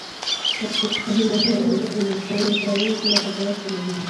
La filmación termina cuando los jóvenes caen y son atacados por los indígenas.